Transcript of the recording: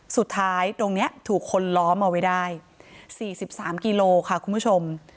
สุดท้ายตรงนี้ถูกคนล้อมเอาไว้ได้๔๓กิโลค่ะคุณผู้ชม